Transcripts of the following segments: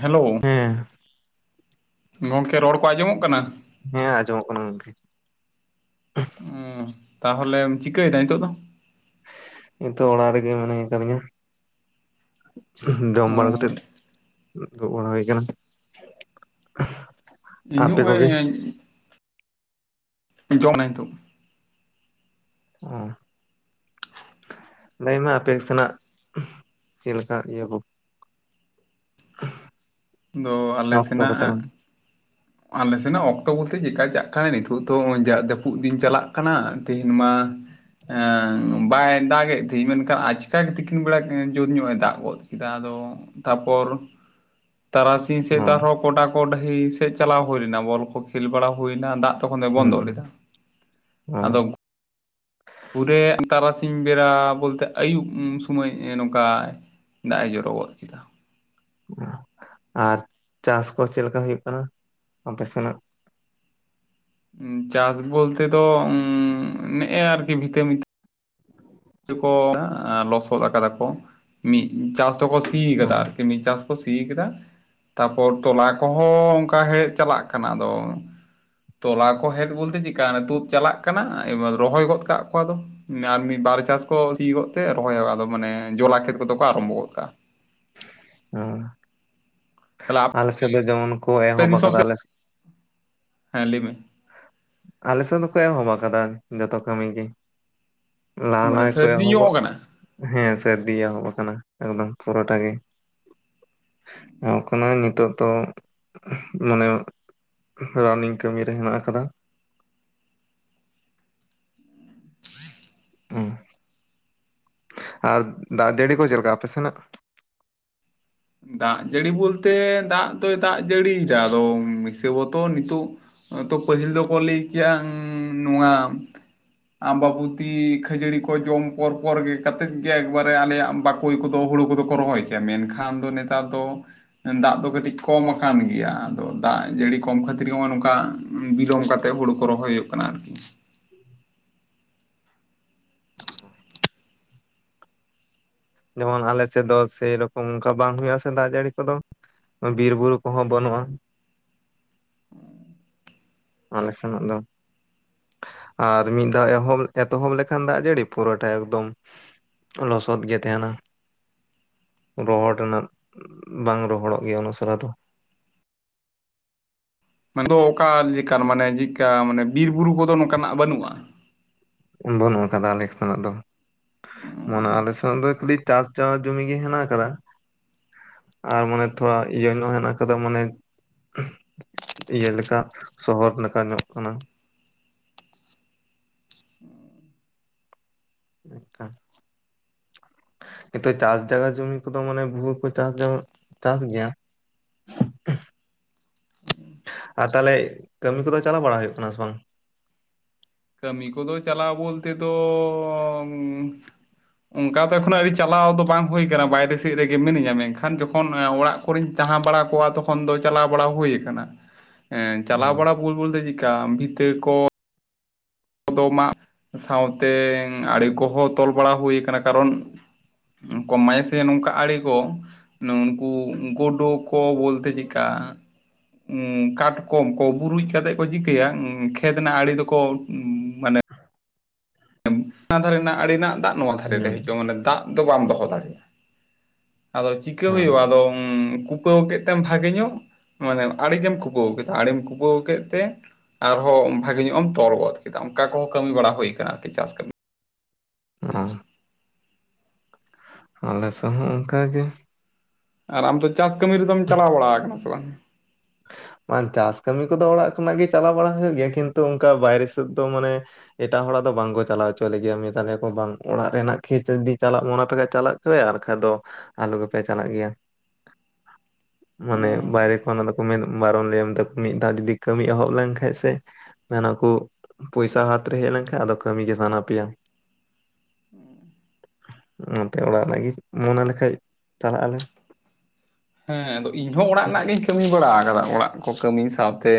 Hello ᱦᱮᱸ ᱜᱚᱢᱠᱮ ᱨᱚᱲ ᱠᱚ ᱟᱸᱡᱚᱢᱚᱜ ᱠᱟᱱᱟ ᱦᱮᱸ ᱟᱸᱡᱚᱢᱚᱜ ᱠᱟᱱᱟ ᱜᱚᱝᱠᱮ ᱚ ᱛᱟᱦᱚᱞᱮᱢ ᱪᱤᱠᱟᱹᱭᱮᱫᱟ ᱱᱤᱛᱚᱜ ᱫᱚ? ᱱᱤᱛᱚᱜ ᱚᱲᱟᱜ ᱨᱮᱜᱮ ᱢᱤᱱᱟᱧ ᱟᱠᱟᱫᱤᱧᱟ ᱡᱚᱢ ᱵᱟᱲᱟ ᱚᱸ ᱠᱟᱛᱮ [inaudible] ᱦᱩᱭ ᱠᱟᱱᱟ ᱤᱧ ᱱᱚᱜᱼᱚᱭ ᱡᱚᱢ [unintelligible] [inaudible] ᱞᱟᱹᱭᱢᱮ ᱟᱯᱮ ᱥᱮᱱᱟᱜ ᱪᱮᱫ ᱞᱮᱠᱟ ᱤᱭᱟᱹ ᱠᱚ [unintelligible] ᱫᱚ ᱟᱞᱮ ᱚᱠᱛᱚ ᱥᱮᱱᱟᱜ ᱠᱚᱛᱮ ᱚ ᱟᱞᱮ ᱥᱮᱱᱟᱜ ᱚᱠᱛᱚ ᱵᱚᱞᱛᱮ ᱪᱤᱠᱟ ᱪᱟ ᱠᱷᱮᱱᱮ ᱱᱤᱛᱚᱜ ᱫᱚ ᱡᱟᱜ ᱡᱟᱹᱯᱩᱫ ᱫᱤᱱ ᱪᱟᱞᱟᱜ ᱠᱟᱱᱟ ᱛᱮᱦᱤᱧ ᱢᱟ ᱵᱟᱭ ᱫᱟᱜ ᱜᱮ ᱛᱮᱦᱮᱧ ᱢᱮᱱᱠᱷᱟᱱ ᱟᱪᱠᱟ ᱜᱮ ᱛᱤᱠᱤᱱ ᱵᱮᱲᱟ ᱡᱩᱨ ᱧᱚᱜ ᱮ ᱫᱟᱜ ᱜᱚᱫ ᱠᱮᱫᱟ ᱟᱫᱚ ᱛᱟᱨᱯᱚᱨ ᱛᱟᱨᱟᱥᱤᱧ ᱥᱮᱫ ᱟᱨᱦᱚᱸ ᱜᱚᱰᱟ ᱠᱚ ᱰᱟᱹᱦᱤ ᱥᱮᱫ ᱪᱟᱞᱟᱣ ᱦᱩᱭ-ᱱᱟ ᱵᱚᱞ ᱠᱚ ᱠᱷᱮᱞ ᱵᱟᱲᱟ ᱦᱩᱭ-ᱱᱟ ᱫᱟᱜ ᱛᱚᱠᱷᱚᱱ ᱫᱚᱭ ᱵᱚᱱᱫᱚᱭ ᱞᱮᱫᱟ ᱦᱩᱸ ᱚ ᱟᱫᱚ ᱯᱩᱨᱮ ᱛᱟᱨᱟᱥᱤᱧ ᱵᱮᱲᱟ ᱵᱚᱞᱛᱮ ᱟᱹᱭᱩᱵ ᱥᱚᱢᱚᱭ ᱱᱚᱝᱠᱟᱭ ᱫᱟᱜ ᱡᱚᱨᱚ ᱜᱚᱫ ᱠᱮᱫᱟ ᱟᱨ ᱪᱟᱥ ᱠᱚ ᱪᱮᱫ ᱞᱮᱠᱟ ᱦᱩᱭᱩᱜ ᱠᱟᱱᱟ ᱟᱯᱮ ᱥᱮᱱᱟᱜ ᱪᱟᱥ ᱵᱚᱞᱛᱮ ᱫᱚ ᱩ ᱱᱮᱜᱼᱮ ᱟᱨᱠᱤ ᱵᱷᱤᱛᱟᱹ ᱢᱤᱛ ᱠᱚ ᱞᱚᱥᱚᱫ ᱟᱠᱟᱫᱟ ᱠᱚ ᱢᱤᱫ ᱪᱟᱥ ᱫᱚᱠᱚ ᱥᱤ ᱚ ᱠᱟᱫᱟ ᱟᱨᱠᱤ ᱢᱤᱫ ᱪᱟᱥ ᱠᱚ ᱥᱤ ᱠᱮᱫᱟ ᱛᱟᱯᱚᱨ ᱛᱚᱞᱟ ᱠᱚᱦᱚᱸ ᱚᱱᱠᱟ ᱦᱮᱲᱦᱮᱫ ᱪᱟᱞᱟᱜ ᱠᱟᱱᱟ ᱟᱫᱚ ᱛᱚᱞᱟ ᱠᱚ ᱦᱮᱡ ᱵᱚᱞᱛᱮ ᱪᱮᱫᱠᱟ ᱛᱩᱫ ᱪᱟᱞᱟᱜ ᱠᱟᱱᱟ ᱮᱵᱟᱨ ᱨᱚᱦᱚᱭ ᱜᱚᱫ ᱠᱟᱜ ᱠᱚᱣᱟ ᱫᱚ ᱟᱨ ᱢᱤᱫ ᱵᱟᱨ ᱪᱟᱥ ᱠᱚ ᱥᱤᱭ ᱜᱚᱫ ᱛᱮ ᱨᱚᱦᱚᱭᱚᱜᱼᱟᱫᱚ ᱢᱟᱱᱮ ᱡᱚᱞᱟ ᱠᱷᱮᱛ ᱠᱚᱫᱚ ᱠᱚ ᱟᱨᱟᱢᱵᱷᱚ ᱜᱚᱫ ᱠᱟᱜᱼᱟ᱾ ᱦᱚᱸ ᱛᱟᱦᱚᱞᱮ ᱟᱞᱮ ᱥᱮᱫ ᱫᱚ ᱡᱮᱢᱚᱱ ᱠᱚ ᱟᱯᱮ ᱮᱦᱚᱵ ᱫᱤᱥᱚᱢ ᱟᱠᱟᱫᱟ ᱥᱮᱫ ᱟᱞᱮ ᱦᱮᱸ ᱞᱟᱹᱭ ᱢᱮ ᱟᱞᱮ ᱥᱮᱫ ᱫᱚᱠᱚ ᱮᱦᱚᱵ ᱟᱠᱟᱫᱟ ᱡᱚᱛᱚ ᱠᱟᱹᱢᱤ ᱜᱮ ᱞᱟᱦᱟ ᱢᱟᱱᱮ ᱞᱟᱦᱟ ᱠᱚ ᱥᱟᱹᱨᱫᱤ ᱮᱦᱚᱵᱚᱜ ᱧᱚᱜ ᱠᱟᱱᱟ ᱦᱮᱸ ᱥᱟᱹᱨᱫᱤ ᱮᱦᱚᱵ ᱟᱠᱟᱱᱟ ᱮᱠᱫᱚᱢ ᱯᱚᱨᱟᱴᱟ ᱜᱮ [inaudible] ᱛᱚ ᱢᱟᱱᱮ ᱨᱟᱱᱤᱝ ᱠᱟᱹᱢᱤ ᱨᱮ ᱦᱮᱱᱟᱜ ᱟᱠᱟᱫᱟ ᱟᱨ ᱫᱟᱜ ᱡᱟᱹᱲᱤ ᱠᱚ ᱪᱮᱫ ᱞᱮᱠᱟ ᱟᱯᱮ ᱥᱮᱱᱟᱜ? ᱫᱟᱜ ᱡᱟᱹᱲᱤ ᱵᱚᱞᱛᱮ ᱫᱟᱜ ᱫᱚᱭ ᱫᱟᱜ ᱡᱟᱹᱲᱤᱭᱮᱫᱟ ᱟᱫᱚ ᱦᱤᱥᱟᱹᱵᱚᱛᱚ ᱱᱤᱛᱚᱜ ᱛᱚ ᱯᱟᱹᱦᱤᱞ ᱫᱚᱠᱚ ᱞᱟᱹᱭ ᱠᱮᱭᱟ ᱱᱚᱣᱟ ᱟᱢᱵᱟᱵᱩᱛᱤ ᱠᱷᱟᱹᱡᱟᱹᱲᱤ ᱠᱚ ᱡᱚᱢ ᱯᱚᱨ ᱯᱚᱨ ᱜᱮ ᱠᱟᱛᱮᱫ ᱜᱮ ᱮᱠᱵᱟᱨᱮ ᱟᱞᱮᱭᱟᱜ ᱵᱟ ᱚᱠᱚᱭ ᱠᱚᱫᱚ ᱦᱩᱲᱩ ᱠᱚᱫᱚ ᱠᱚ ᱨᱚᱦᱚᱭ ᱠᱮᱭᱟ ᱢᱮᱱᱠᱷᱟᱱ ᱫᱚ ᱱᱮᱛᱟᱨ ᱫᱚ ᱫᱟᱜ ᱫᱚ ᱠᱟᱹᱴᱤᱡ ᱠᱚᱢ ᱟᱠᱟᱱ ᱜᱮᱭᱟ ᱟᱫᱚ ᱫᱟᱜ ᱡᱟᱹᱲᱤ ᱠᱚᱢ ᱠᱷᱟᱹᱛᱤᱨ ᱱᱚᱜᱼᱚᱭ ᱱᱚᱝᱠᱟ ᱵᱤᱞᱚᱢ ᱠᱟᱛᱮᱜ ᱦᱩᱲᱩ ᱠᱚ ᱨᱚᱦᱚᱭ ᱦᱩᱭᱩᱜ ᱠᱟᱱᱟ ᱟᱨᱠᱤ ᱡᱮᱢᱚᱱ ᱟᱞᱮ ᱥᱮᱫ ᱫᱚ ᱥᱮᱨᱚᱠᱚᱢ ᱚᱱᱠᱟ ᱵᱟᱝ ᱦᱩᱭᱩᱜ ᱟᱥᱮ ᱫᱟᱜ ᱡᱟᱹᱲᱤ ᱠᱚᱫᱚ ᱵᱤᱨ ᱵᱩᱨᱩ ᱠᱚᱦᱚᱸ ᱵᱟᱹᱱᱩᱜᱼᱟ᱾ ᱟᱞᱮ ᱥᱮᱱᱟᱜ ᱫᱚ ᱟᱨ ᱢᱤᱫ ᱫᱷᱟᱣ ᱮᱦᱚᱵ ᱮᱛᱚᱦᱚᱵ ᱞᱮᱠᱷᱟᱱ ᱫᱟᱜ ᱡᱟᱹᱲᱤ ᱯᱩᱨᱟᱹᱴᱟ ᱮᱠᱫᱚᱢ ᱞᱚᱥᱚᱫ ᱜᱮ ᱛᱟᱦᱮᱱᱟ᱾ ᱨᱚᱦᱚᱲ ᱨᱮᱱᱟᱜ ᱵᱟᱝ ᱨᱚᱦᱚᱲᱚᱜ ᱜᱮᱭᱟ ᱩᱥᱟᱹᱨᱟ ᱫᱚ ᱟᱫᱚ ᱚᱠᱟᱞ ᱞᱮᱠᱟᱱ ᱢᱟᱱᱮ ᱪᱮᱫ ᱞᱮᱠᱟ ᱢᱟᱱᱮ ᱵᱤᱨ ᱵᱩᱨᱩ ᱠᱚᱫᱚ ᱱᱚᱝᱠᱟᱱᱟᱜ ᱵᱟᱹᱱᱩᱜᱼᱟ? ᱵᱟᱹᱱᱩᱜ ᱟᱠᱟᱫᱟ ᱟᱞᱮ ᱥᱮᱱᱟᱜ ᱫᱚ ᱢᱟᱱᱮ ᱟᱞᱮ ᱥᱮᱱᱟᱜ ᱫᱚ [inaudible] ᱪᱟᱥ ᱪᱟᱥ ᱡᱩᱢᱤ ᱜᱮ ᱦᱮᱱᱟᱜ ᱟᱠᱟᱫᱟ ᱟᱨ ᱢᱟᱱᱮ ᱛᱷᱚᱲᱟ ᱤᱭᱟᱹ ᱧᱚᱜ ᱦᱮᱱᱟᱜ ᱟᱠᱟᱫᱟ ᱢᱟᱱᱮ ᱤᱭᱟᱹ ᱞᱮᱠᱟ ᱥᱚᱦᱚᱨ ᱞᱮᱠᱟ ᱧᱚᱜ ᱠᱟᱱᱟ᱾ ᱟᱪᱪᱷᱟ ᱱᱤᱛᱚᱜ ᱪᱟᱥ ᱡᱟᱭᱜᱟ ᱡᱩᱢᱤ ᱠᱚᱫᱚ ᱢᱟᱱᱮ ᱵᱷᱩᱦᱩ ᱠᱚ ᱪᱟᱥ ᱪᱟᱥ ᱜᱮᱭᱟ [inaudible] ᱟᱨ ᱛᱟᱦᱚᱞᱮ ᱠᱟᱹᱢᱤ ᱠᱚᱫᱚ ᱪᱟᱞᱟᱣ ᱵᱟᱲᱟ ᱦᱩᱭᱩᱜ ᱠᱟᱱᱟ ᱥᱮ ᱵᱟᱝ? ᱠᱟᱹᱢᱤ ᱠᱚᱫᱚ ᱪᱟᱞᱟᱣ ᱵᱚᱞᱛᱮ ᱫᱚᱻᱚ ᱚᱱᱠᱟ ᱫᱚ ᱮᱠᱷᱚᱱᱚ ᱟᱹᱣᱨᱤ ᱪᱟᱞᱟᱣ ᱫᱚ ᱵᱟᱝ ᱦᱩᱭ ᱟᱠᱟᱱᱟ ᱵᱟᱭᱨᱮ ᱥᱮᱫ ᱨᱮᱜᱮ ᱢᱤᱱᱟᱹᱧᱟ ᱢᱮᱱᱠᱷᱟᱱ ᱡᱚᱠᱷᱚᱱ ᱚᱲᱟᱜ ᱠᱚᱨᱮᱧ ᱛᱟᱦᱮᱸ ᱵᱟᱲᱟ ᱠᱚᱣᱟ ᱛᱚᱠᱷᱚᱱ ᱫᱚ ᱪᱟᱞᱟᱣ ᱵᱟᱲᱟ ᱦᱩᱭ ᱟᱠᱟᱱᱟ᱾ ᱪᱟᱞᱟᱣ ᱦᱩᱸ ᱵᱟᱲᱟ ᱵᱚᱞ ᱵᱚᱞᱛᱮ ᱪᱮᱠᱟ ᱵᱷᱤᱛᱟᱹ ᱠᱚ ᱢᱟ ᱥᱟᱶᱛᱮ ᱟᱹᱲᱮ ᱠᱚᱦᱚᱸ ᱛᱚᱞ ᱵᱟᱲᱟ ᱦᱩᱭ ᱟᱠᱟᱱᱟ ᱠᱟᱨᱚᱱ ᱠᱚ ᱮᱢᱟᱭᱟ ᱥᱮ ᱱᱚᱝᱠᱟ ᱟᱲᱮ ᱠᱚ ᱱᱩᱱᱠᱩ ᱜᱳᱰᱳ ᱠᱚ ᱵᱚᱞᱛᱮ ᱪᱮᱠᱟ ᱠᱟᱴᱠᱚᱢ ᱠᱚ ᱵᱩᱨᱩᱡ ᱠᱟᱛᱮᱜ ᱠᱚ ᱪᱤᱠᱟᱹᱭᱟ ᱠᱷᱮᱛ ᱨᱮᱱᱟᱜ ᱟᱲᱮ ᱫᱚᱠᱚ ᱢᱟᱱᱮ ᱚᱱᱟ ᱫᱷᱟᱨᱮ ᱨᱮᱱᱟᱜ ᱟᱹᱲᱮᱱᱟᱜ ᱫᱟᱜ ᱱᱚᱣᱟ ᱫᱷᱟᱨᱮ ᱨᱮ ᱦᱩᱸ ᱦᱤᱡᱩᱜ-ᱟ ᱢᱟᱱᱮ ᱫᱟᱜ ᱫᱚ ᱵᱟᱢ ᱫᱚᱦᱚ ᱫᱟᱲᱮᱭᱟᱜ-ᱟ᱾ ᱟᱫᱚ ᱪᱤᱠᱟ ᱦᱩᱸ ᱦᱩᱭᱩᱜ-ᱟ ᱟᱫᱚ ᱩᱢ ᱠᱩᱯᱟᱹᱣ ᱠᱮᱫ ᱛᱮᱢ ᱵᱷᱟᱜᱮ ᱧᱚᱜ ᱢᱟᱱᱮ ᱟᱲᱮᱜᱮᱢ ᱠᱩᱯᱟᱹᱣ ᱠᱮᱫᱟ ᱟᱲᱮᱢ ᱠᱩᱯᱟᱹᱣ ᱠᱮᱫ ᱛᱮ ᱟᱨᱦᱚᱸ ᱵᱷᱟᱜᱮ ᱧᱚᱜ ᱮᱢ ᱛᱚᱞ ᱜᱚᱫ ᱠᱮᱫᱟ ᱚᱱᱠᱟ ᱠᱚᱦᱚᱸ ᱠᱟᱹᱢᱤ ᱵᱟᱲᱟ ᱦᱩᱭ ᱟᱠᱟᱱᱟ ᱟᱨᱠᱤ ᱪᱟᱥ ᱠᱟᱹᱢᱤ ᱫᱚ ᱚ ᱟᱞᱮ ᱥᱮᱫ ᱦᱚᱸ ᱚᱱᱠᱟ ᱜᱮ ᱟᱨ ᱟᱢ ᱫᱚ ᱪᱟᱥ ᱠᱟᱹᱢᱤ ᱨᱮ ᱫᱚᱢ ᱪᱟᱞᱟᱣ ᱵᱟᱲᱟ ᱟᱠᱟᱱᱟ ᱥᱮ ᱵᱟᱝ ᱪᱟᱥ ᱠᱟᱹᱢᱤ ᱠᱚ ᱫᱚ ᱚᱲᱟᱜ ᱠᱷᱚᱱᱟᱜ ᱜᱮ ᱪᱟᱞᱟᱣ ᱵᱟᱲᱟ ᱦᱩᱭᱩᱜ ᱜᱮᱭᱟ ᱠᱤᱱᱛᱩ ᱚᱱᱠᱟ ᱵᱟᱭᱨᱮ ᱥᱮᱫ ᱫᱚ ᱢᱟᱱᱮ ᱮᱴᱟᱜ ᱦᱚᱲᱟᱜ ᱫᱚ ᱵᱟᱝ ᱠᱚ ᱪᱟᱞᱟᱣ ᱦᱚᱪᱚ ᱞᱮᱭᱟ ᱢᱮᱛᱟ ᱞᱮᱭᱟ ᱠᱚ ᱵᱟᱝ ᱚᱲᱟᱜ ᱨᱮᱱᱟᱜ ᱠᱷᱮᱛ ᱡᱩᱫᱤ ᱪᱟᱞᱟᱜ ᱢᱚᱱ ᱯᱮ ᱠᱷᱟᱡ ᱪᱟᱞᱟᱜ ᱦᱮᱭ ᱟᱨ ᱵᱟᱠᱷᱟᱡ ᱫᱚ ᱟᱞᱚ ᱜᱮ ᱯᱮ ᱪᱟᱞᱟᱜ ᱜᱮᱭᱟ ᱢᱟᱱᱮ ᱵᱟᱭᱨᱮ ᱠᱷᱚᱱ ᱚᱱᱟ ᱫᱚ ᱵᱟᱨᱚᱱ ᱞᱟᱹᱭᱟᱢ ᱫᱟ ᱢᱤᱫ ᱫᱷᱟᱣ ᱡᱩᱫᱤ ᱠᱟᱹᱢᱤ ᱮᱦᱚᱵ ᱞᱮᱱ ᱠᱷᱟᱱ ᱥᱮ ᱢᱮᱱᱟᱠᱚ ᱯᱚᱭᱥᱟ ᱦᱟᱛ ᱨᱮ ᱦᱮᱡ ᱞᱮᱱ ᱠᱷᱟᱱ ᱟᱫᱚ ᱠᱟᱹᱢᱤ ᱜᱮ ᱥᱟᱱᱟ ᱯᱮᱭᱟ [inaudible] ᱱᱚᱛᱮ ᱚᱲᱟᱜ ᱞᱟᱹᱜᱤᱫ ᱢᱚᱱᱮ ᱞᱮ ᱠᱷᱟᱡ ᱪᱟᱞᱟᱜ ᱟᱞᱮ ᱦᱮᱸ ᱟᱫᱚ ᱤᱧᱦᱚᱸ ᱚᱲᱟᱜ ᱨᱮᱱᱟᱜ ᱜᱤᱧ ᱠᱟᱹᱢᱤ ᱵᱟᱲᱟ ᱟᱠᱟᱫᱟ ᱚᱲᱟᱜ ᱠᱚ ᱠᱟᱹᱢᱤ ᱥᱟᱶᱛᱮ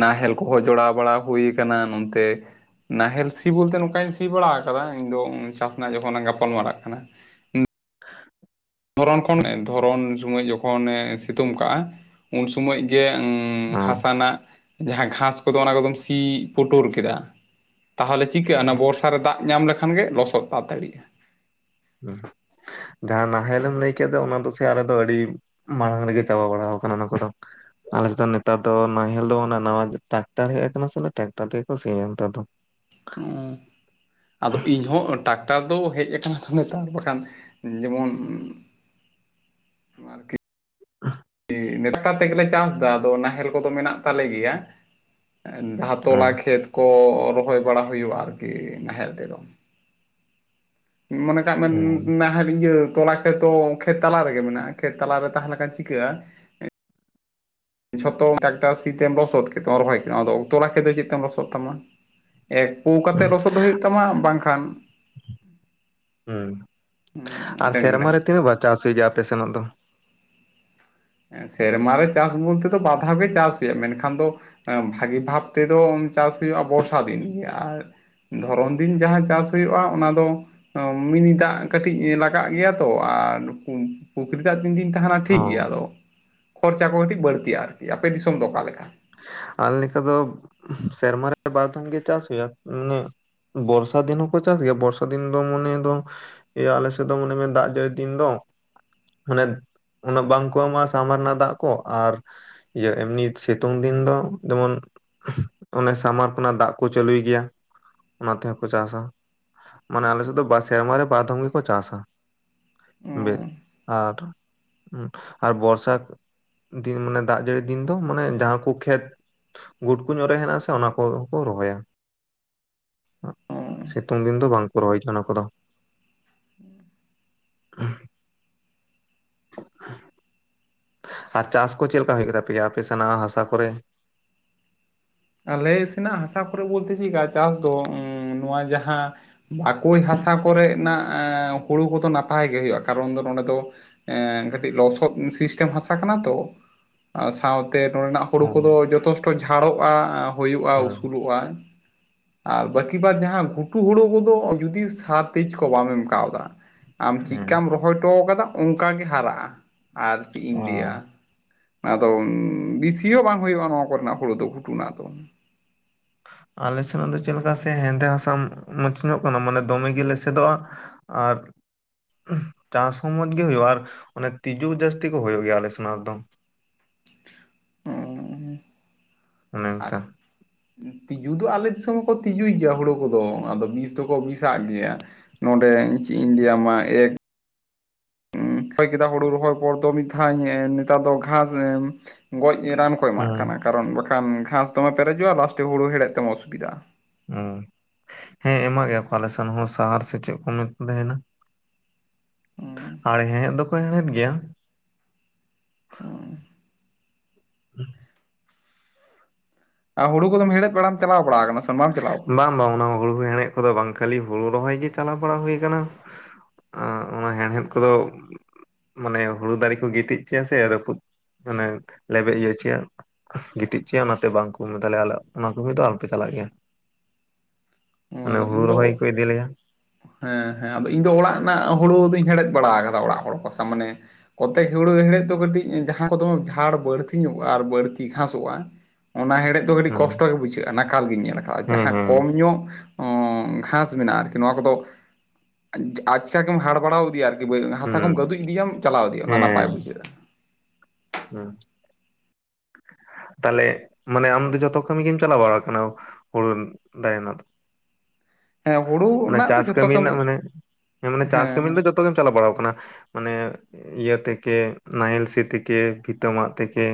ᱱᱟᱦᱮᱞ ᱠᱚᱦᱚᱸ ᱡᱚᱲᱟᱣ ᱵᱟᱲᱟ ᱦᱩᱭ ᱠᱟᱱᱟ ᱱᱚᱱᱛᱮ ᱱᱟᱦᱮᱞ ᱥᱤ ᱵᱚᱞᱛᱮ ᱱᱚᱝᱠᱟᱧ ᱥᱤ ᱵᱟᱲᱟ ᱟᱠᱟᱫᱟ ᱤᱧ ᱫᱚ ᱪᱟᱥ ᱨᱮᱱᱟᱜ ᱡᱚᱠᱷᱚᱱ ᱞᱟᱝ ᱜᱟᱯᱟᱞ ᱢᱟᱨᱟᱜ ᱠᱟᱱᱟ᱾ [inaudible] ᱫᱷᱚᱨᱚᱱ ᱠᱷᱚᱱ ᱫᱷᱚᱨᱚᱱ ᱥᱚᱢᱚᱭ ᱡᱚᱠᱷᱚ ᱱᱮ ᱥᱤᱛᱩᱝ ᱠᱟᱜ-ᱟ ᱩᱱ ᱥᱚᱢᱚᱭ ᱜᱮ ᱚ ᱦᱟᱥᱟ ᱨᱮᱱᱟᱜ ᱡᱟᱦᱟᱸ ᱜᱷᱟᱥ ᱠᱚᱫᱚ ᱚᱱᱟ ᱠᱚᱫᱚᱢ ᱥᱤ ᱯᱩᱴᱩᱨ ᱠᱮᱫᱟ ᱛᱟᱦᱚᱞᱮ ᱪᱤᱠᱟᱹᱜ-ᱟ ᱚᱱᱟ ᱵᱚᱨᱥᱟ ᱨᱮ ᱫᱟᱜ ᱧᱟᱢ ᱞᱮᱠᱷᱟᱱ ᱜᱮ ᱞᱚᱥᱚᱫ ᱛᱟᱛᱟᱲᱤᱜ-ᱟ᱾ ᱦᱩᱸ ᱡᱟᱦᱟᱸ ᱱᱟᱦᱮᱞ ᱮᱢ ᱞᱟᱹᱭ ᱠᱮᱫ ᱫᱚ ᱚᱱᱟ ᱫᱚ ᱥᱮ ᱟᱞᱮ ᱫᱚ ᱟᱹᱰᱤ ᱢᱟᱲᱟᱝ ᱨᱮᱜᱮ ᱪᱟᱵᱟ ᱵᱟᱲᱟᱣ ᱟᱠᱟᱱᱟ ᱚᱱᱟ ᱠᱚ ᱫᱚ ᱟᱞᱮ ᱥᱮᱫ ᱱᱮᱛᱟᱨ ᱫᱚ ᱱᱟᱦᱮᱞ ᱫᱚ ᱱᱟᱣᱟ ᱴᱨᱟᱠᱴᱟᱨ ᱦᱮᱡ ᱟᱠᱟᱱᱟ ᱥᱮ ᱚᱱᱟ ᱴᱨᱟᱠᱴᱟᱨ ᱛᱮ ᱜᱮ ᱠᱚ ᱥᱮᱭᱟ ᱱᱮᱛᱟᱨ ᱫᱚ ᱟᱫᱚ ᱤᱧ ᱦᱚᱸ ᱴᱟᱠᱴᱟᱨ ᱫᱚ ᱦᱮᱡ ᱠᱟᱱᱟ ᱱᱮᱛᱟᱨ ᱵᱟᱠᱷᱟᱱ ᱡᱮᱢᱚᱱ [inaudible] [inaudible] ᱴᱮᱠᱴᱟᱨ ᱛᱮᱜᱮ ᱞᱮ ᱪᱟᱥᱫᱟ ᱟᱫᱚ ᱱᱟᱦᱮᱞ ᱠᱚᱫᱚ ᱢᱮᱱᱟᱜ ᱛᱟᱞᱮ ᱜᱮᱭᱟ ᱡᱟᱦᱟᱸ ᱛᱚᱞᱟ ᱦᱩᱸ ᱠᱷᱮᱛ ᱠᱚ ᱨᱚᱦᱚᱭ ᱵᱟᱲᱟ ᱦᱩᱭᱩᱜ-ᱟ ᱟᱨᱠᱤ ᱱᱟᱦᱮᱞ ᱛᱮᱫᱚ ᱢᱚᱱᱮ ᱠᱟᱜ ᱢᱮ ᱦᱩᱸ ᱱᱟᱦᱮᱞ ᱤᱭᱟᱹ ᱛᱚᱞᱟ ᱮᱛᱚ ᱠᱷᱮᱛ ᱛᱟᱞᱟ ᱨᱮ ᱜᱮ ᱢᱮᱱᱟᱜ-ᱟ ᱠᱷᱮᱛ ᱛᱟᱞᱟ ᱨᱮ ᱛᱟᱦᱮᱸ ᱞᱮᱠᱷᱟᱱ ᱪᱤᱠᱟᱹᱜ-ᱟ ᱡᱷᱚᱛᱚ ᱴᱟᱠᱴᱟᱨ ᱥᱤᱛᱮᱢ ᱞᱚᱥᱚᱫ ᱠᱮᱫ ᱛᱮᱢ ᱨᱚᱦᱚᱭ ᱠᱮᱫᱟᱢ ᱟᱫᱚᱠ ᱛᱚᱞᱟ ᱠᱷᱮᱛ ᱫᱚ ᱪᱮᱫ ᱛᱮᱢ ᱞᱚᱥᱚᱫ ᱛᱟᱢᱟ ᱮᱠ ᱯᱩ ᱠᱟᱛᱮ ᱞᱚᱥᱚᱫ ᱦᱩᱭᱩᱜ ᱛᱟᱢᱟ ᱵᱟᱝᱠᱷᱟᱱ ᱦᱩᱸ ᱟᱨ ᱰᱟᱹᱝᱨᱤ ᱥᱮᱨᱢᱟ ᱨᱮ ᱱᱟᱦᱮᱞ ᱛᱮ ᱛᱤᱱᱟᱹᱜ ᱵᱟᱨ ᱪᱟᱥ ᱦᱩᱭᱩᱜ ᱜᱮᱭᱟ ᱟᱯᱮ ᱥᱮᱱ ᱫᱚ ᱥᱮᱨᱢᱟ ᱨᱮ ᱪᱟᱥ ᱵᱚᱞ ᱛᱮ ᱫᱚ ᱵᱟᱨ ᱫᱷᱟᱣ ᱜᱮ ᱪᱟᱥ ᱦᱩᱭᱩᱜ-ᱟ ᱢᱮᱱᱠᱷᱟᱱ ᱫᱚ ᱵᱷᱟᱹᱜᱤ ᱵᱷᱟᱵᱽ ᱛᱮᱫᱚ ᱪᱟᱥ ᱦᱩᱭᱩᱜ-ᱟ ᱵᱚᱨᱥᱟ ᱫᱤᱱ ᱜᱮ ᱟᱨ ᱫᱷᱚᱨᱚᱢ ᱫᱤᱱ ᱡᱟᱦᱟᱸ ᱪᱟᱥ ᱦᱩᱭᱩᱜ-ᱟ ᱚᱱᱟ ᱫᱚ ᱢᱤᱱᱤ ᱫᱟᱜ ᱠᱟᱹᱴᱤᱡ ᱞᱟᱜᱟᱜ ᱜᱮᱭᱟ ᱛᱚ ᱟᱨ ᱯᱩᱠᱷᱨᱤ ᱫᱟᱜ ᱛᱤᱱ ᱫᱤᱱ ᱛᱟᱦᱮᱸᱱᱟ ᱚ ᱴᱷᱤᱠ ᱜᱮᱭᱟ ᱟᱫᱚ ᱠᱷᱚᱨᱪᱟ ᱠᱚ ᱠᱟᱹᱴᱤᱡ ᱵᱟᱹᱲᱛᱤᱜ-ᱟ ᱟᱨᱠᱤ ᱟᱯᱮ ᱫᱤᱥᱚᱢ ᱫᱚ ᱚᱠᱟ ᱞᱮᱠᱟ ᱟᱞ ᱞᱮᱠᱟ ᱫᱚ ᱥᱮᱨᱢᱟ ᱨᱮ ᱵᱟᱨ ᱫᱷᱟᱢ ᱜᱮ ᱪᱟᱥ ᱦᱩᱭᱩᱜᱼᱟ ᱢᱟᱱᱮ ᱵᱚᱨᱥᱟ ᱫᱤᱱ ᱦᱚᱸᱠᱚ ᱪᱟᱥ ᱜᱮᱭᱟ ᱵᱚᱨᱥᱟ ᱫᱤᱱ ᱫᱚ ᱢᱚᱱᱮ ᱫᱚ ᱤᱭᱟᱹ ᱟᱞᱮ ᱥᱮᱫ ᱫᱚ ᱢᱚᱱᱮ ᱢᱮ ᱫᱟᱜ ᱡᱟᱹᱲᱤ ᱫᱤᱱ ᱫᱚ ᱢᱟᱱᱮ ᱩᱱᱟᱹᱜ ᱵᱟᱝᱠᱚ ᱮᱢᱟᱜ ᱥᱟᱢᱟᱨ ᱨᱮᱱᱟᱜ ᱫᱟᱜ ᱠᱚ ᱟᱨ ᱤᱭᱟᱹ ᱮᱢᱱᱤ ᱥᱮ ᱛᱩᱝ ᱫᱤᱱ ᱫᱚ ᱡᱮᱢᱚᱱ ᱚᱱᱮ ᱥᱟᱢᱟᱨ ᱠᱷᱚᱱᱟᱜ ᱫᱟᱜ ᱠᱚ ᱪᱟᱹᱞᱩᱭ ᱜᱮᱭᱟ ᱚᱱᱟ ᱛᱮᱦᱚᱸ ᱠᱚ ᱪᱟᱥᱟ ᱢᱟᱱᱮ ᱟᱞᱮ ᱥᱮᱫ ᱫᱚ ᱥᱮᱨᱢᱟ ᱨᱮ ᱵᱟᱨ ᱫᱷᱚᱢ ᱜᱮᱠᱚ ᱪᱟᱥᱟ ᱵᱮᱥ ᱟᱨ ᱟᱨ ᱵᱚᱨᱥᱟ ᱫᱤᱱ ᱢᱟᱱᱮ ᱫᱟᱜ ᱡᱟᱹᱲᱤ ᱫᱤᱱ ᱫᱚ ᱢᱟᱱᱮ ᱡᱟᱦᱟᱸ ᱩᱱᱠᱩ ᱠᱷᱮᱛ ᱜᱩᱴᱠᱩ ᱧᱚᱜ ᱨᱮ ᱦᱮᱱᱟᱜ-ᱟ ᱥᱮ ᱚᱱᱟ ᱠᱚ ᱦᱚᱸ ᱠᱚ ᱨᱚᱦᱚᱭᱟ ᱥᱤᱛᱩᱝ ᱫᱤᱱ ᱫᱚ ᱵᱟᱝ ᱠᱚ ᱨᱚᱦᱚᱭ ᱠᱟᱱᱟ ᱚᱱᱟ ᱠᱚ ᱫᱚ ᱦ ᱟᱨ ᱪᱟᱥ ᱠᱚ ᱪᱮᱫ ᱞᱮᱠᱟ ᱦᱩᱭᱩᱜ ᱜᱮ ᱛᱟᱯᱮᱭᱟ ᱟᱯᱮ ᱥᱮᱱᱟᱜ ᱦᱟᱥᱟ ᱠᱚᱨᱮ ᱟᱞᱮ ᱥᱮᱱᱟᱜ ᱦᱟᱥᱟ ᱠᱚᱨᱮ ᱵᱚᱞᱛᱮ ᱪᱮᱫᱠᱟ ᱪᱟᱥ ᱫᱚ ᱱᱚᱣᱟ ᱡᱟᱦᱟᱸ ᱵᱟᱠᱳᱭ ᱦᱟᱥᱟ ᱠᱚ ᱨᱮᱱᱟᱜ ᱦᱩᱲᱩ ᱠᱚᱫᱚ ᱱᱟᱯᱟᱭ ᱜᱮ ᱦᱩᱭᱩᱜᱼᱟ ᱠᱟᱨᱚᱱ ᱫᱚ ᱱᱚᱸᱰᱮ ᱫᱚ ᱮ ᱠᱟᱹᱴᱤᱡ ᱞᱚᱥᱚᱫ ᱥᱤᱥᱴᱮᱢ ᱦᱟᱥᱟ ᱠᱟᱱᱟ ᱛᱚ ᱥᱟᱶᱛᱮ ᱱᱚᱸᱰᱮ ᱱᱟᱝ ᱦᱩᱲᱩ ᱚ ᱠᱚᱫᱚ ᱡᱚᱛᱷᱮᱥᱴᱚ ᱡᱷᱟᱲᱚᱜᱼᱟ ᱦᱩᱭᱩᱜᱼᱟ ᱦᱮᱸ ᱩᱥᱩᱞᱚᱜᱼᱟ ᱟᱨ ᱵᱟᱹᱠᱤ ᱵᱟᱫ ᱡᱟᱦᱟᱸ ᱜᱷᱩᱴᱩ ᱦᱳᱲᱩ ᱠᱚᱫᱚ ᱡᱩᱫᱤ ᱥᱟᱨ ᱛᱮᱡᱽ ᱠᱚ ᱵᱟᱢ ᱮᱢ ᱠᱟᱣᱫᱟ ᱟᱢ ᱦᱮᱸ ᱪᱤᱠᱟᱢ ᱨᱚᱦᱚᱭ ᱦᱚ ᱴᱚ ᱠᱟᱫᱟ ᱚᱱᱠᱟᱜᱮ ᱦᱟᱨᱟᱜᱼᱟ ᱟᱨ ᱪᱮᱫ ᱚ ᱤᱧ ᱞᱟᱹᱭᱟ ᱟᱫᱚ ᱵᱤᱥᱤ ᱦᱚᱸ ᱵᱟᱝ ᱦᱩᱭᱩᱜᱼᱟ ᱱᱚᱣᱟ ᱠᱚᱨᱮᱱᱟᱜ ᱦᱩᱲᱩ ᱫᱚ ᱜᱷᱩᱴᱩ ᱱᱟᱜ ᱫᱚ ᱟᱞᱮ ᱥᱮᱱᱟᱜ ᱫᱚ ᱪᱮᱫᱠᱟ ᱥᱮ ᱦᱮᱸᱫᱮ ᱦᱟᱥᱟ ᱢᱚᱡᱽ ᱧᱚᱜ ᱠᱟᱱᱟ ᱢᱟᱱᱮ ᱫᱚᱢᱮ ᱜᱮ ᱞᱮᱥᱮᱫᱚᱜ-ᱟ ᱟᱨ ᱪᱟᱥ ᱦᱚᱸ ᱢᱚᱸᱡᱽ ᱜᱤ ᱦᱩᱭᱩᱜᱼᱟ ᱟᱨ ᱚᱱᱮ ᱛᱤᱡᱩ ᱡᱟᱹᱥᱛᱤ ᱠᱚ ᱦᱩᱭᱩᱜ ᱜᱮᱭᱟ ᱟᱞᱮ ᱥᱮᱱᱟᱜ ᱫᱚ ᱚᱱᱮ ᱟᱨ ᱚᱝᱠᱟ ᱛᱤᱡᱩ ᱫᱚ ᱟᱞᱮ ᱫᱤᱥᱚᱢ ᱦᱚᱸᱠᱚ ᱛᱤᱡᱩᱭ ᱜᱮᱭᱟ ᱦᱩᱲᱳ ᱠᱚᱫᱚ ᱟᱫᱚ ᱵᱤᱥ ᱫᱚ ᱠᱚ ᱵᱤᱥᱟᱜ ᱜᱮᱭᱟ ᱱᱚᱸᱰᱮ ᱪᱤᱜ ᱤᱧ ᱞᱟᱹᱭ ᱟᱢᱟ ᱮᱠ ᱠᱮᱫᱟ ᱦᱩᱲᱩ ᱨᱚᱦᱚᱭ ᱯᱚᱨ ᱫᱚ ᱢᱤᱫ ᱫᱷᱟᱣ ᱱᱮᱛᱟᱨ ᱫᱚ ᱜᱷᱟᱥ ᱜᱚᱡ ᱨᱟᱱ ᱠᱚ ᱮᱢᱟᱜ ᱦᱩᱸ ᱠᱟᱨᱚᱱ ᱵᱟᱠᱷᱟᱱ ᱜᱷᱟᱸᱥ ᱫᱚᱢᱮ ᱯᱮᱨᱮᱡᱚᱜᱼᱟ ᱞᱟᱥᱴᱮ ᱦᱩᱲᱩ ᱦᱮᱲᱮᱫ ᱛᱮᱢ ᱚᱥᱩᱵᱤᱫᱟᱜᱼᱟ ᱦᱮᱸ ᱮᱢᱟᱜ ᱜᱮᱭᱟ ᱠᱚ ᱟᱞᱮᱥᱮᱱ ᱦᱚᱸ ᱥᱟᱦᱟᱨ ᱥᱮ ᱪᱮᱫ ᱠᱚ ᱢᱮ ᱛᱟᱦᱮᱸᱱᱟ ᱟᱨᱲ ᱦᱮᱸᱦᱮᱸᱫ ᱫᱚ ᱜᱮᱭᱟ ᱦᱩᱸ ᱟᱨ ᱦᱩᱲᱩ ᱠᱚ ᱫᱚ ᱦᱮᱲᱦᱮᱫ ᱵᱟᱲᱟᱢ ᱪᱟᱞᱟᱣ ᱵᱟᱲᱟᱣ ᱠᱟᱱᱟ ᱵᱟᱝ ᱵᱟᱝ ᱚᱱᱟ ᱦᱩᱲᱩ ᱦᱮᱲᱦᱮᱫ ᱠᱚᱫᱚ ᱵᱟᱝ ᱠᱷᱟᱹᱞᱤ ᱦᱩᱲᱩ ᱨᱚᱦᱚᱭ ᱜᱮ ᱪᱟᱞᱟᱣ ᱵᱟᱲᱟ ᱦᱩᱭ ᱟᱠᱟᱱᱟ ᱚᱱᱟ ᱦᱮᱲᱦᱮᱫ ᱠᱚᱫᱚ ᱢᱟᱱᱮ ᱦᱩᱲᱩ ᱫᱟᱨᱮ ᱠᱚ ᱜᱤᱛᱤᱡ ᱦᱚᱪᱚᱭᱟ ᱥᱮ ᱨᱟᱹᱯᱩᱫ ᱢᱟᱱᱮ ᱞᱮᱵᱮᱫ ᱤᱭᱟᱹ ᱦᱚᱪᱚᱭᱟ ᱜᱤᱛᱤᱡ ᱦᱚᱪᱚᱭᱟ ᱚᱱᱟᱛᱮ ᱵᱟᱝ ᱠᱚ ᱛᱟᱞᱮ ᱟᱞᱮ ᱚᱱᱟ ᱠᱚᱢᱤ ᱫᱚ ᱟᱞᱯᱮ ᱪᱟᱞᱟᱜ ᱜᱮᱭᱟ ᱱᱚᱣᱟ ᱢᱟᱱᱮ ᱟᱫᱚ ᱦᱩᱲᱩ ᱤᱧ ᱫᱚ ᱨᱚᱦᱚᱭ ᱠᱚ ᱤᱫᱤ ᱞᱮᱭᱟ ᱦᱮᱸ ᱦᱮᱸ ᱟᱫᱚ ᱤᱧ ᱫᱚ ᱚᱲᱟᱜ ᱨᱮᱱᱟᱜ ᱦᱩᱲᱩ ᱫᱩᱧ ᱦᱮᱲᱦᱮ ᱵᱟᱲᱟ ᱟᱠᱟᱫᱟ ᱚᱲᱟᱜ ᱦᱚᱲ ᱠᱚ ᱥᱟᱶ ᱢᱟᱱᱮ ᱠᱚᱛᱮ ᱦᱩᱲᱩ ᱦᱮᱲᱦᱮᱫ ᱫᱚ ᱠᱟᱹᱴᱤᱡ ᱡᱟᱦᱟᱸ ᱠᱚ ᱫᱚᱢᱮ ᱡᱷᱟᱲ ᱵᱟᱹᱲᱛᱤ ᱧᱚᱜᱼᱟ ᱟᱨ ᱵᱟᱹᱲᱛᱤ ᱜᱷᱟᱥᱚᱜᱼᱟ ᱚᱱᱟ ᱦᱮᱲᱦᱮᱫ ᱫᱚ ᱟᱹᱰᱤ ᱦᱮᱸ ᱠᱚᱥᱴᱚ ᱜᱮ ᱵᱩᱡᱷᱟᱹᱣᱜᱼᱟ ᱱᱟᱠᱟᱞ ᱜᱤᱧ ᱧᱮᱞ ᱟᱠᱟᱜᱼᱟ ᱦᱮᱸ ᱡᱟᱦᱟᱸ ᱦᱮᱸ ᱠᱚᱢ ᱧᱚᱜ ᱜᱷᱟᱥ ᱢᱮᱱᱟᱜᱼᱟ ᱟᱨᱠᱤ ᱱᱚᱣᱟ ᱠᱚᱫᱚ ᱟᱪᱠᱟ ᱜᱮᱢ ᱦᱟᱲ ᱵᱟᱲᱟᱣ ᱤᱫᱤᱭᱟ ᱟᱨᱠᱤ ᱦᱟᱥᱟ ᱠᱚᱢ ᱦᱩᱸ ᱜᱟᱹᱫᱩᱡ ᱤᱫᱤᱭᱟᱢ ᱪᱟᱞᱟ ᱤᱫᱤᱭᱤᱭᱟᱢ ᱱᱟᱯᱟᱭ ᱦᱮᱸ ᱵᱩᱡᱷᱟᱹᱣᱜᱼᱟ ᱛᱟᱦᱚᱞᱮ ᱢᱟᱱᱮ ᱟᱢ ᱫᱚ ᱡᱷᱚᱛᱚ ᱠᱟᱹᱢᱤ ᱜᱮᱢ ᱪᱟᱞᱟᱣ ᱵᱟᱲᱟ ᱠᱟᱱᱟ ᱦᱩᱲᱩ ᱫᱟᱭᱱᱟ ᱫᱚ ᱦᱮᱸ ᱦᱩᱲᱩ ᱚᱱᱟ ᱨᱮᱱᱟᱜ ᱫᱚ ᱪᱟᱥ ᱡᱷᱚᱛᱚ ᱠᱟᱹᱢᱤ ᱨᱮᱱᱟᱜ ᱢᱟᱱᱮᱸ ᱢᱟᱱᱮ ᱪᱟᱥ ᱦᱮᱸ ᱠᱟᱹᱢᱤ ᱫᱚ ᱦᱮᱸ ᱡᱚᱛᱚ ᱡᱚᱛᱚ ᱜᱮᱢ ᱪᱟᱞᱟᱣ ᱵᱟᱲᱟᱣ ᱟᱠᱟᱱᱟ ᱢᱟᱱᱮ ᱤᱭᱟᱹ ᱛᱮᱠᱮ ᱱᱟᱦᱮᱞ ᱥᱤ ᱛᱮᱠᱮ ᱛᱮᱠᱮ ᱯᱷᱤᱛᱟᱹᱣᱜ ᱛᱮᱠᱮ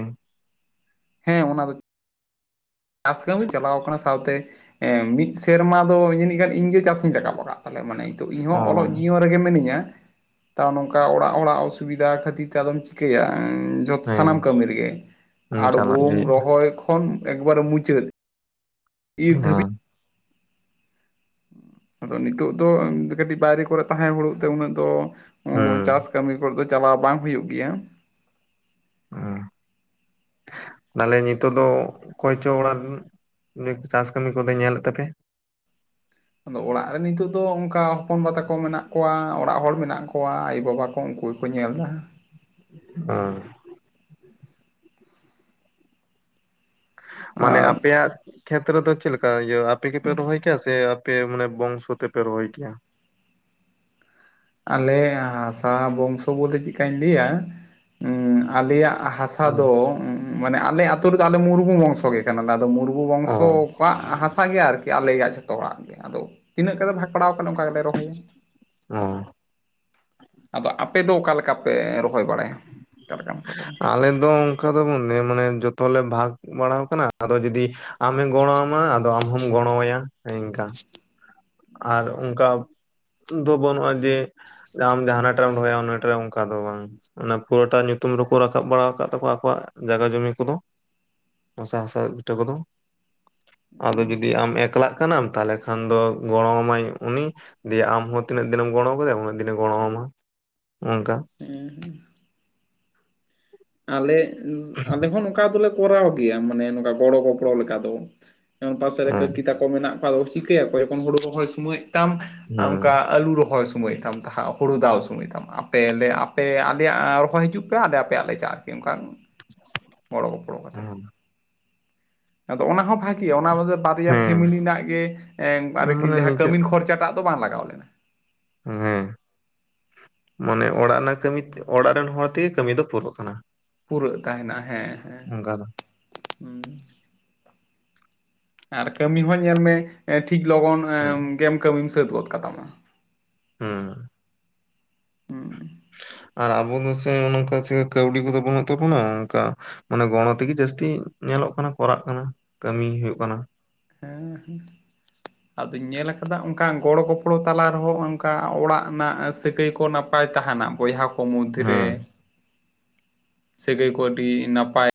ᱦᱮᱸ ᱚᱱᱟ ᱫᱚ ᱪᱟᱥ ᱠᱟᱹᱢᱤ ᱪᱟᱞᱟᱣ ᱟᱠᱟᱱᱟ ᱥᱟᱶᱛᱮ ᱢᱤᱫ ᱥᱮᱨᱢᱟ ᱫᱚ ᱡᱟᱹᱱᱤᱡ ᱜᱟᱱ ᱤᱧᱜᱮ ᱪᱟᱥ ᱤᱧ ᱨᱟᱠᱟᱵ ᱟᱠᱟᱫ ᱛᱟᱞᱮ ᱢᱟᱱᱮ ᱚ ᱤᱧᱦᱚᱸ ᱚᱞᱚᱜ ᱨᱮᱜᱮ ᱢᱤᱱᱟᱹᱧᱟ ᱛᱟᱣ ᱱᱚᱝᱠᱟ ᱚᱲᱟᱜ ᱚᱲᱟᱜ ᱚᱥᱩᱵᱤᱫᱟ ᱠᱷᱟᱹᱛᱤᱨ ᱛᱮ ᱟᱫᱚᱢ ᱪᱤᱠᱟᱹᱭᱟ ᱡᱚᱛ ᱦᱮᱸ ᱥᱟᱱᱟᱢ ᱠᱟᱹᱢᱤ ᱨᱮᱜᱮ ᱦᱩᱸ ᱪᱟᱞᱟᱜ ᱟᱲᱜᱚᱢ ᱜᱮ ᱨᱚᱦᱚᱭ ᱠᱷᱚᱱ ᱮᱠᱵᱟᱨᱮ ᱢᱩᱪᱟᱹᱫ ᱤᱨ ᱦᱩᱭᱩᱜᱼᱟ ᱫᱷᱟᱹᱵᱤᱡ ᱟᱫᱚ ᱱᱤᱛᱚᱜ ᱫᱚ ᱠᱟᱹᱴᱤᱡ ᱵᱟᱭᱨᱤ ᱠᱚᱨᱮᱜ ᱛᱟᱦᱮᱸ ᱦᱩᱬᱩᱜ ᱛᱮ ᱩᱱᱟᱹᱜ ᱫᱚ ᱦᱩᱸ ᱪᱟᱥ ᱠᱟᱹᱢᱤ ᱠᱚᱨᱮ ᱫᱚ ᱪᱟᱞᱟᱣ ᱵᱟᱝ ᱦᱩᱭᱩᱜ ᱜᱮᱭᱟ [inaudible] ᱛᱟᱞᱮ ᱱᱤᱛᱚᱜ ᱫᱚ ᱚᱠᱚᱭᱪᱚ ᱚᱲᱟᱜ ᱨᱮᱱ ᱱᱤᱛ ᱪᱟᱥ ᱠᱟᱹᱢᱤ ᱠᱚᱫᱚᱭ ᱧᱮᱞᱮᱫ ᱛᱟᱯᱮᱭᱟ ᱟᱫᱚ ᱚᱲᱟᱜ ᱨᱮ ᱱᱤᱛᱩᱜ ᱫᱚ ᱚᱱᱠᱟ ᱦᱚᱯᱚᱱ ᱵᱟ ᱛᱟᱠᱚ ᱢᱮᱱᱟᱜ ᱠᱚᱣᱟ ᱚᱲᱟᱜ ᱦᱚᱲ ᱢᱮᱱᱟᱜ ᱠᱚᱣᱟ ᱟᱭᱩ ᱵᱟᱵᱟ ᱠᱚ ᱩᱱᱠᱩ ᱠᱚ ᱧᱮᱞ ᱮᱫᱟ [unintelligible] ᱢᱟᱱᱮ ᱟᱨ ᱟᱯᱮᱭᱟᱜ ᱠᱷᱮᱛᱨᱮ ᱫᱚ ᱪᱮᱫᱞᱮᱠᱟ ᱤᱭᱟᱹ ᱟᱯᱮ ᱜᱮᱯᱮ ᱨᱚᱦᱚᱭ ᱠᱮᱭᱟ ᱥᱮ ᱯᱮ ᱢᱟᱱᱮ ᱵᱚᱝᱥᱚ ᱛᱮᱯᱮ ᱨᱚᱦᱚᱭ ᱠᱮᱭᱟ ᱟᱞᱮ ᱦᱟᱥᱟ ᱵᱚᱝᱥᱚ ᱵᱚᱞᱮ ᱪᱮᱠᱟᱧ ᱞᱟᱹᱭᱟ ᱟᱞᱮᱭᱟᱜ ᱦᱟᱥᱟ ᱫᱚ ᱢᱟᱱᱮ ᱟᱞᱮ ᱟᱹᱛᱩ ᱨᱮᱫᱚ ᱟᱞᱮ ᱢᱩᱨᱢᱩ ᱵᱚᱝᱥᱚ ᱜᱮ ᱠᱟᱱᱟᱞᱮ ᱟᱫᱚ ᱢᱩᱨᱢᱩ ᱟᱵᱚ ᱚ ᱵᱚᱝᱥᱚ ᱠᱚᱣᱟᱜ ᱦᱟᱥᱟ ᱜᱮ ᱟᱨᱠᱤ ᱟᱞᱮᱭᱟᱜ ᱡᱚᱛᱚ ᱦᱚᱲᱟᱜ ᱜᱮ ᱟᱫᱚ ᱛᱤᱱᱟᱹᱜ ᱠᱟᱛᱮ ᱵᱷᱟᱜ ᱯᱟᱲᱟᱣ ᱠᱟᱱᱟ ᱚᱱᱠᱟ ᱜᱮ ᱞᱮ ᱨᱚᱦᱚᱭᱟ ᱚᱸ ᱟᱫᱚ ᱟᱯᱮᱫᱚ ᱚᱠᱟᱮ ᱞᱮᱠᱟ ᱯᱮ ᱨᱚᱦᱚᱭ ᱵᱟᱲᱟᱭᱟ? ᱚᱠᱟ ᱞᱮᱠᱟᱱ ᱦᱟᱥᱟ ᱛᱟᱯᱮ ᱟᱞᱮ ᱫᱚ ᱚᱱᱠᱟ ᱫᱚ [unintelligible] ᱢᱟᱱᱮ ᱡᱚᱛᱚᱞᱮ ᱵᱷᱟᱜᱽ ᱵᱟᱲᱟᱟᱣ ᱟᱠᱟᱱᱟ ᱟᱫᱚ ᱡᱩᱫᱤ ᱟᱢᱮ ᱜᱚᱲᱚᱣᱟᱢᱟ ᱟᱫᱚ ᱟᱢ ᱦᱚᱸᱢ ᱜᱚᱲᱚ ᱟᱭᱟ ᱤᱱᱠᱟ ᱟᱨ ᱚᱱᱠᱟ ᱫᱚ ᱵᱟᱹᱱᱩᱜᱼᱟ ᱡᱮ ᱟᱢ ᱡᱟᱦᱟ ᱴᱟ ᱮᱢ ᱨᱚᱦᱚᱭ-ᱟ ᱨᱚᱦᱚᱭᱟ ᱚᱱᱟᱴᱟ ᱨᱮ ᱚᱱᱠᱟ ᱫᱚ ᱵᱟᱝ ᱚᱱᱟ ᱯᱩᱨᱟᱹᱴᱟ ᱧᱩᱛᱩᱢ ᱨᱮᱠᱚ ᱨᱟᱠᱟᱵ ᱵᱟᱲᱟ ᱟᱠᱟᱫ ᱛᱟᱠᱚᱣᱟ ᱟᱠᱚᱣᱟᱜ ᱡᱟᱜᱟ ᱡᱚᱢᱤ ᱠᱚᱫᱚ ᱦᱟᱥᱟ ᱦᱟᱥᱟ ᱵᱤᱴᱟᱹ ᱠᱚᱫᱚ ᱟᱫᱚ ᱡᱩᱫᱤ ᱟᱢ ᱮᱠᱞᱟᱜ ᱠᱟᱱᱟᱢ ᱛᱟᱦᱮᱞᱮ ᱠᱷᱟᱱ ᱫᱚ ᱜᱚᱲᱚ ᱟᱢᱟᱭ ᱩᱱᱤ ᱫᱤᱭᱮ ᱟᱢᱚᱸ ᱛᱤᱱᱟᱹᱜ ᱫᱤᱱᱮᱢ ᱜᱚᱲᱚᱣᱟ ᱠᱟ ᱫᱮᱭᱟ ᱩᱱᱟᱹᱜ ᱫᱤᱱᱮ ᱜᱚᱲᱚ ᱟᱢᱟ ᱚᱱᱠᱟ [unintelligible] ᱟᱞᱮ ᱟᱞᱮ ᱦᱚᱸ ᱱᱚᱝᱠᱟ ᱫᱚ ᱞᱮ ᱠᱚᱨᱟᱣ ᱜᱮᱭᱟ ᱢᱟᱱᱮ ᱱᱚᱠᱟ ᱜᱚᱲᱚ ᱜᱚᱯᱚᱲᱚ ᱞᱮᱠᱟ ᱫᱚ ᱯᱟᱥᱮᱨᱮ ᱦᱮᱸ ᱠᱟᱠᱤ ᱛᱟᱠᱚ ᱢᱮᱱᱟᱜ ᱠᱚᱣᱟ ᱪᱤᱠᱟᱹᱭᱟ ᱠᱚ ᱡᱚᱠᱷᱚᱱ ᱦᱩᱲᱩ ᱨᱚᱦᱚᱭ ᱥᱢᱚᱭ ᱛᱟᱢ ᱦᱮᱸ ᱚᱱᱠᱟ ᱟᱞᱩ ᱨᱚᱦᱚᱭ ᱥᱳᱢᱚᱭ‌ ᱛᱟᱢ ᱦᱩᱲᱩ ᱫᱟᱣ ᱥᱩᱢᱟᱹᱭ ᱛᱟᱢ ᱯᱮ ᱟᱯᱮ ᱟᱞᱮᱭᱟᱜ ᱨᱚᱦᱚᱭ ᱦᱤᱡᱩᱜ ᱯᱮ ᱟᱞᱮ ᱟᱯᱮᱭᱟᱜ ᱞᱮ ᱪᱟ ᱟᱠᱤ ᱚᱱᱠᱟᱱ ᱜᱚᱲᱚᱼ ᱜᱚᱯᱚᱲᱚ ᱠᱟᱛᱮ ᱟᱫᱚ ᱚᱱᱟ ᱦᱚᱸ ᱵᱷᱟᱜᱮ ᱠᱤ ᱚᱱᱟᱮ ᱵᱟᱨᱭᱟ ᱯᱷᱮᱢᱮᱞᱤ ᱦᱮᱸ ᱨᱮᱱᱟᱜ ᱜᱮ ᱟᱨᱠᱤ ᱢᱟᱱᱮ ᱡᱟᱦᱟᱸ ᱱᱤᱡᱮ ᱠᱟᱹᱢᱤᱱ ᱠᱷᱚᱨᱪᱟᱴᱟᱜ ᱫᱚ ᱵᱟᱝ ᱞᱟᱜᱟᱣ ᱞᱮᱱᱟ᱾ ᱦᱮᱸ ᱢᱟᱱᱮ ᱚᱲᱟᱜ ᱨᱮᱱᱟᱜ ᱠᱟᱹᱢᱤ ᱚᱲᱟᱜ ᱨᱮᱱ ᱦᱚᱲ ᱛᱮᱜᱮ ᱠᱟᱹᱢᱤ ᱫᱚ ᱯᱩᱨᱟᱹᱜ ᱠᱟᱱᱟ᱾ ᱯᱩᱨᱟᱹᱜ ᱛᱟᱦᱮᱱᱟ ᱦᱮᱸ ᱦᱮᱸ ᱚᱱᱠᱟᱫᱟ ᱦᱩᱸ ᱟᱨ ᱠᱟᱹᱢᱤ ᱦᱚᱸ ᱧᱮᱞ ᱢᱮᱮ ᱴᱷᱤᱠ ᱞᱚᱜᱚᱱ ᱦᱮᱸ ᱜᱮᱢ ᱠᱟᱹᱢᱤᱢ ᱥᱟᱹᱛ ᱜᱚᱫ ᱠᱟᱛᱟᱢᱟ᱾ ᱦᱩ ᱦᱩᱸ ᱟᱨ ᱟᱵᱚ ᱫᱚ ᱥᱮ ᱚᱱᱠᱟ ᱪᱠᱟ ᱠᱟᱹᱣᱰᱤ ᱠᱚᱫᱚ ᱵᱟᱹᱱᱩᱜ ᱛᱟᱵᱚᱱᱟ ᱚᱱᱠᱟ ᱢᱟᱱᱮ ᱜᱚᱲᱚ ᱛᱮᱜᱮ ᱡᱟᱹᱥᱛᱤ ᱧᱮᱞᱚᱜ ᱠᱟᱱᱟ ᱠᱚᱨᱟᱜ ᱠᱟᱱᱟ ᱠᱟᱹᱢᱤ ᱦᱩᱭᱩᱜ ᱠᱟᱱᱟ᱾ ᱦᱮᱸ [unintelligible] ᱟᱫᱚᱧ ᱧᱮᱞᱠᱟᱫᱟ ᱚᱱᱠᱟ ᱜᱚᱲᱚ ᱜᱚᱯᱚᱲᱚ ᱛᱟᱞᱟ ᱨᱮᱦᱚᱸ ᱚᱱᱠᱟ ᱚᱲᱟᱜ ᱨᱮᱱᱟᱜ ᱥᱟᱹᱜᱟᱹᱭ ᱠᱚ ᱱᱟᱯᱟᱭ ᱱᱟᱯᱟᱭ ᱛᱟᱦᱮᱱᱟ ᱵᱚᱭᱦᱟ ᱠᱚ ᱢᱚᱫᱽᱫᱷᱮ ᱨᱮ ᱦᱮᱸ ᱥᱟᱹᱜᱟᱹᱭ ᱠᱚ ᱟᱹᱰᱤ ᱱᱟᱯᱟᱭ